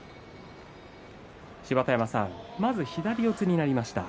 芝田山さん、まず左四つになりました。